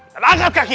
dan angkat kaki